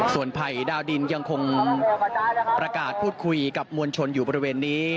ส่วนภัยดาวดินยังคงประกาศพูดคุยกับมวลชนอยู่บริเวณนี้